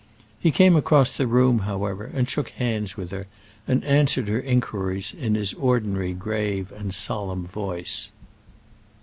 He came across the room, however, and shook hands with her, and answered her inquiries in his ordinary grave and solemn voice.